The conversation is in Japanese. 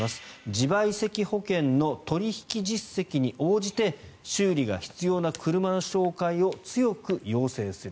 自賠責保険の取引実績に応じて修理が必要な車の紹介を強く要請する。